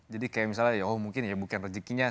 jadi kayak misalnya ya mungkin ya bukan rezekinya